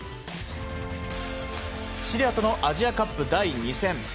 シリアとのアジアカップ第２戦。